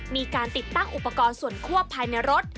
มีการติดตั้งอุปกรณ์ส่วนควบภายในรถ